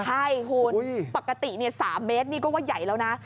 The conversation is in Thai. ใช่คุณปกติ๓เมตรนี่ก็ว่าใหญ่แล้วนะ